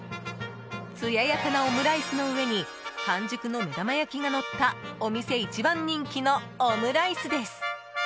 つややかなオムライスの上に半熟の目玉焼きがのったお店一番人気のオムライスです。